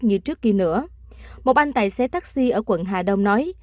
như trước kia nữa một anh tài xế taxi ở quận hà đông nói